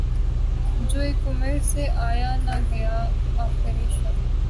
وہ جو اک عمر سے آیا نہ گیا آخر شب